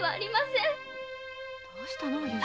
どうしたの？